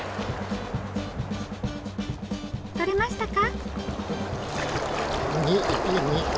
とれましたか？